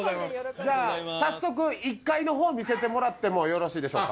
じゃあ早速１階の方見せてもらってもよろしいでしょうか？